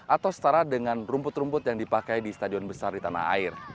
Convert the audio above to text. atau setara dengan rumput rumput yang dipakai di stadion besar di tanah air